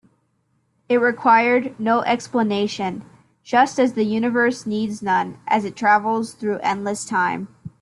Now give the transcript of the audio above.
It required no explanation, just as the universe needs none as it travels through endless time.